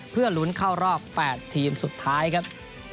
เพื่อลุ้นเข้ารอบ๘ทีมสุดท้ายครับ